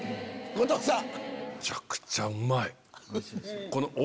後藤さん。